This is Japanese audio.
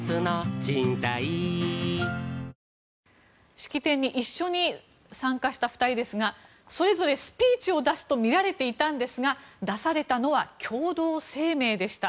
式典に一緒に参加した２人ですがそれぞれスピーチを出すとみられていたんですが出されたのは共同声明でした。